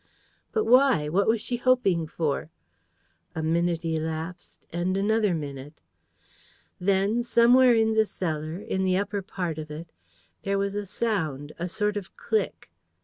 But why? What was she hoping for? A minute elapsed; and another minute. Then, somewhere in the cellar, in the upper part of it, there was a sound, a sort of click.